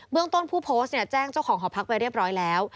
เรื่องต้นผู้โพสต์แจ้งเจ้าของหอพักไปเรียบร้อยแล้ว